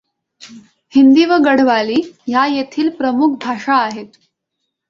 हिंदी व गढवाली ह्या येथील प्रमुख भाषा आहेत.